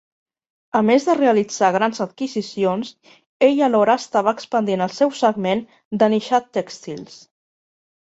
A més de realitzar grans adquisicions, ell alhora estava expandint el seu segment de Nishat Textiles.